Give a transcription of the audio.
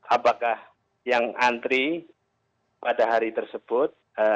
apakah yang antri pada hari tersebut